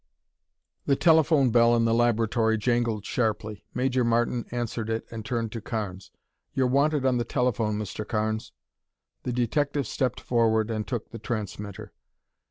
The telephone bell in the laboratory jangled sharply. Major Martin answered it and turned to Carnes. "You're wanted on the telephone, Mr. Carnes." The detective stepped forward and took the transmitter.